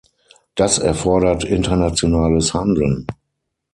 Das erfordert internationales Handeln.